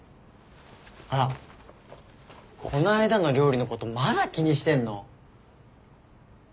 あっこないだの料理のことまだ気にしてんの？